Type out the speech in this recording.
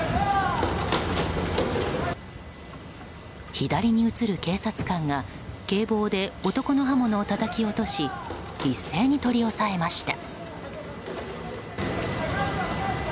左に映る警察官が警棒で男の刃物をたたき落とし一斉に取り押さえました。